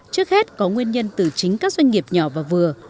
trước hết có nguyên nhân từ chính các doanh nghiệp nhỏ và vừa